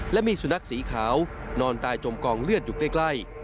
และมีสุนัขสีขาวนอนตายจมกองเลือดอยู่ใกล้